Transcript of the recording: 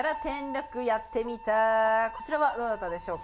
こちらはどなたでしょうか？